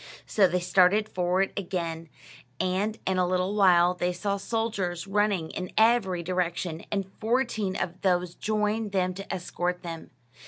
So they started forward again, and in a little while they saw soldiers running in every direction, and fourteen of these joined them to escort them.